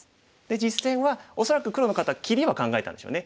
実戦は恐らく黒の方切りは考えたんでしょうね。